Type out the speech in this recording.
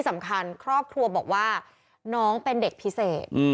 สำคัญครอบครัวบอกว่าน้องเป็นเด็กพิเศษ